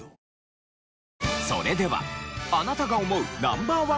それではあなたが思うＮｏ．１